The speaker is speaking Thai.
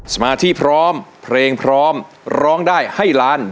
สมาธิพร้อมเพลงพร้อมร้องได้ให้ล้าน